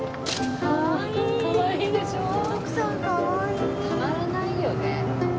たまらないよね。